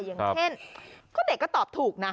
อย่างเช่นก็เด็กก็ตอบถูกนะ